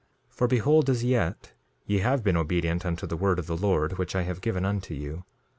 2:4 For behold, as yet, ye have been obedient unto the word of the Lord, which I have given unto you.